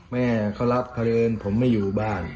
แม่เขารับเขาเดินผมไม่อยู่บ้าน